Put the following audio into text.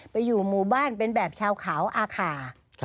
อยู่หมู่บ้านเป็นแบบชาวเขาอาคา